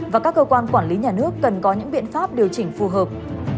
và các cơ quan quản lý nhà nước cần có những biện pháp điều chỉnh phù hợp